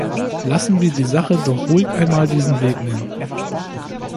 Lassen wir die Sache doch ruhig einmal diesen Weg nehmen.